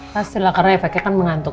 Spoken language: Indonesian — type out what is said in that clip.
pasti lah karena efeknya kan mengantuk